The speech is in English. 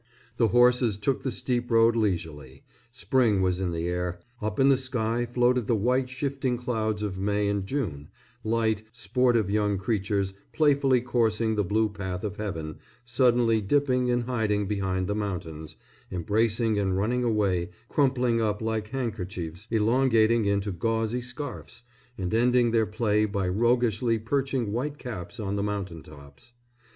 The horses took the steep road leisurely. Spring was in the air. Up in the sky floated the white shifting clouds of May and June, light, sportive young creatures, playfully coursing the blue path of heaven, suddenly dipping and hiding behind the mountains, embracing and running away, crumpling up like handkerchiefs, elongating into gauzy scarfs, and ending their play by roguishly perching white caps on the mountain tops.